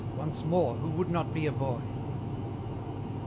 once more who would not be a boy?